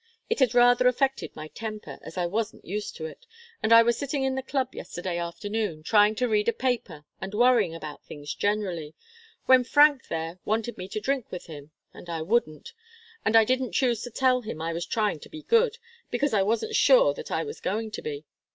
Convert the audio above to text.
It had rather affected my temper, as I wasn't used to it, and I was sitting in the club yesterday afternoon, trying to read a paper and worrying about things generally, when Frank, there, wanted me to drink with him, and I wouldn't, and I didn't choose to tell him I was trying to be good, because I wasn't sure that I was going to be.